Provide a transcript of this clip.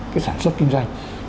cái sản xuất kinh doanh